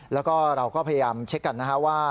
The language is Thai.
แล้วก็เราก็พยายามเช็คกันนะครับว่า